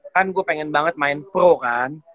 kan gue pengen banget main pro kan